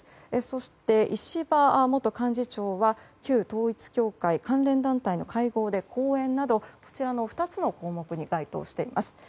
そして石破元幹事長は旧統一教会関連団体の会合で講演など２つの項目に該当しています。